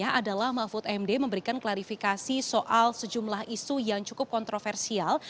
yang adalah mahfud md memberikan klarifikasi soal sejumlah isu yang cukup kontroversial